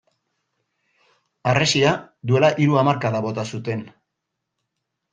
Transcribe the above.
Harresia duela hiru hamarkada bota zuten.